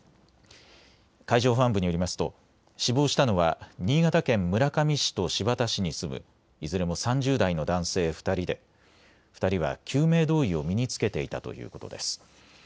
海上保安部によりますと死亡したのは新潟県村上市と新発田市に住むいずれも３０代の男性２人で２人は救命胴衣を身に着けていたということです。